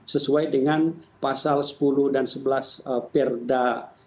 sesuai dengan pasal sepuluh dan sebelas perda delapan dua ribu tujuh